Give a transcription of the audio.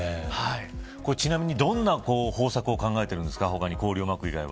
ちなみに、どんな方策を考えているんですか